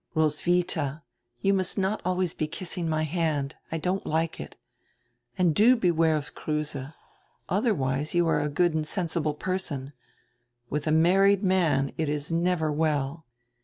"Roswitha, you must not always be kissing my hand, I don't like it. And do beware of Kruse. Otherwise you are a good and sensible person — With a married man — it is never well."